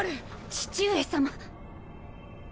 父上様。